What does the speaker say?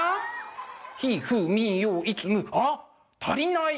ひいふうみいよいつむあっ足りない！